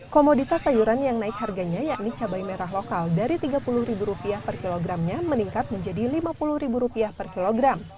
komoditas sayuran yang naik harganya yakni cabai merah lokal dari rp tiga puluh per kilogramnya meningkat menjadi rp lima puluh per kilogram